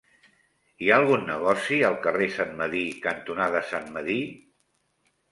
Hi ha algun negoci al carrer Sant Medir cantonada Sant Medir?